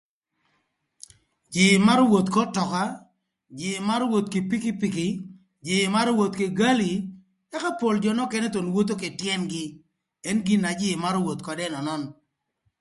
Jïï marö woth k'ötöka, jïï marö woth kï pikipiki, jïï marö woth kï gali, ëka pol jö nökënë thon wotho kï tyën-gï ën gin na jïï marö woth ködë ënönön.